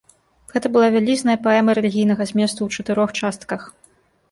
Гэта была вялізная паэма рэлігійнага зместу ў чатырох частках.